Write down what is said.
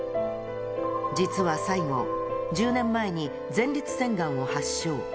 実は西郷、１０年前に前立腺がんを発症。